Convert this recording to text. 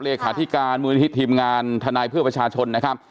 เลขาธิการมูลนิธิทีมงานทนายเพื่อประชาชนนะครับ